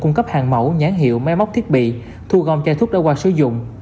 cung cấp hàng mẫu nhãn hiệu máy móc thiết bị thu gom chai thuốc đã qua sử dụng